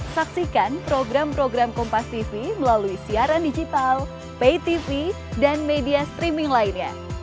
saksikan program program kompastv melalui siaran digital paytv dan media streaming lainnya